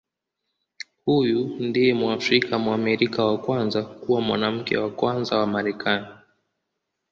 Huyu ndiye Mwafrika-Mwamerika wa kwanza kuwa Mwanamke wa Kwanza wa Marekani.